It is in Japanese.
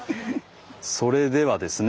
それではですね